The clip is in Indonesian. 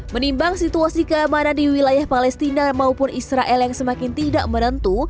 menimbang situasi keamanan di wilayah palestina maupun israel yang semakin tidak menentu